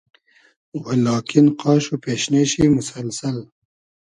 و لاکین قاش وپېشنې شی موسئلسئل